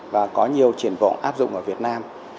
và có nhiều triển vọng áp dụng ở việt nam